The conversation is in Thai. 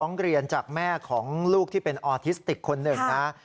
เรียนจากแม่ของลูกที่เป็นออทิสติกคนหนึ่งนะ